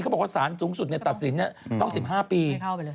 บอกว่าสารสูงสุดในตัดสินต้อง๑๕ปี